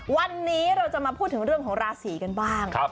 วันนี้เราจะมาพูดถึงเรื่องของราศีกันบ้าง